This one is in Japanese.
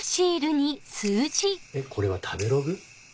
えっこれは食べログ？